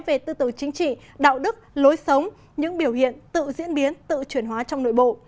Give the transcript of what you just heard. về tư tử chính trị đạo đức lối sống những biểu hiện tự diễn biến tự chuyển hóa trong nội bộ